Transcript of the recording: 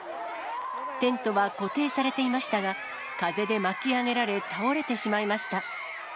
テントは固定されていましたが、風で巻き上げられ、倒れてしまいました。